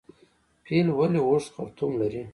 پیل ولې اوږد خرطوم لري؟